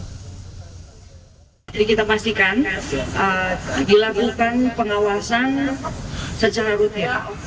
jadi kita memastikan dilakukan pengawasan secara rutin